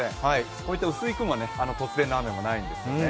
こういった薄い雲は突然の雨はないんです。